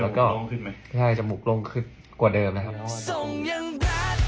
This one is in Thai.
แล้วก็จมูกลงขึ้นกว่าเดิมนะครับ